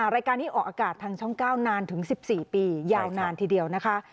รายการนี้ออกอากาศทางช่อง๙นานถึง๑๔ปียาวนานทีเดียวนะคะ